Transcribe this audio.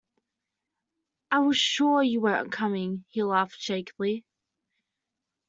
“I was sure you weren’t coming,” he laughed shakily.